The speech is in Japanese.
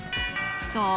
そう！